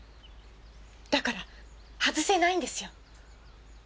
だから外せないんですよ。